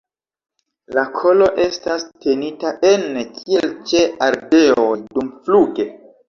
La kolo estas tenita ene kiel ĉe ardeoj dumfluge.